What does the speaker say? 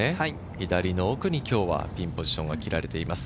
左の奥に今日はピンポジションが切られています。